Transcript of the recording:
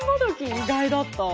意外だった。